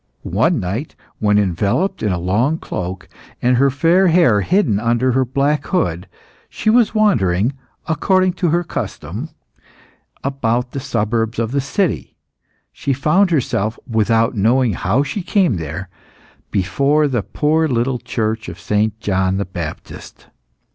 One night, when enveloped in a long cloak, and her fair hair hidden under a black hood, she was wandering, according to custom, about the suburbs of the city, she found herself without knowing how she came there before the poor little church of St. John the Baptist.